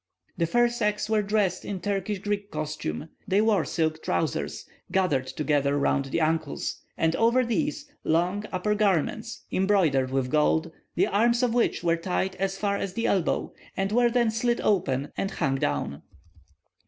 The fair sex were dressed in Turkish Greek costume; they wore silk trousers, gathered together round the ankles, and over these, long upper garments, embroidered with gold, the arms of which were tight as far as the elbow, and were then slit open, and hung down.